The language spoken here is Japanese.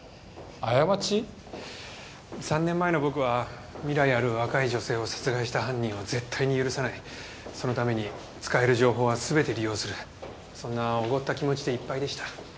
３年前の僕は未来ある若い女性を殺害した犯人を絶対に許さないそのために使える情報は全て利用するそんなおごった気持ちでいっぱいでした。